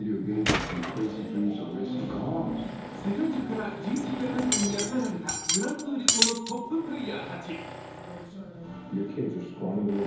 世界中からＧＴアカデミーに集められた「グランツーリスモ」のトッププレーヤーたち。